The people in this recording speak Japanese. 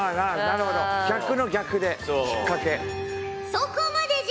そこまでじゃ！